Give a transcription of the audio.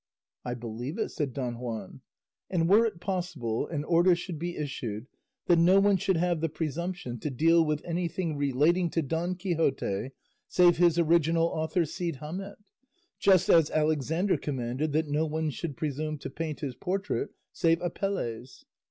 "I believe it," said Don Juan; "and were it possible, an order should be issued that no one should have the presumption to deal with anything relating to Don Quixote, save his original author Cide Hamete; just as Alexander commanded that no one should presume to paint his portrait save Apelles."